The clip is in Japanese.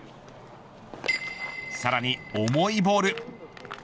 さらに重いボール。